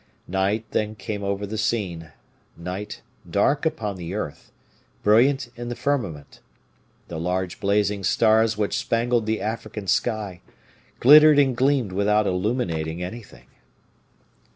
Night then came over the scene; night dark upon the earth, brilliant in the firmament. The large blazing stars which spangled the African sky glittered and gleamed without illuminating anything.